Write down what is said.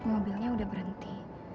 mobilnya udah berhenti